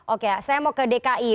oke saya mau ke dki